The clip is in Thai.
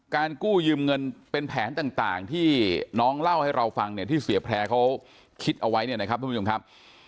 กู้ยืมเงินเป็นแผนต่างที่น้องเล่าให้เราฟังเนี่ยที่เสียแพร่เขาคิดเอาไว้เนี่ยนะครับทุกผู้ชมครับ